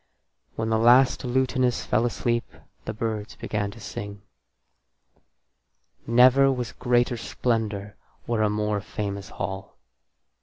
When the last lutanist fell asleep the birds began to sing. Never was greater splendour or a more famous hall.